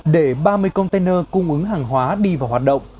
để ba mươi container cung ứng hàng hóa đi vào hoạt động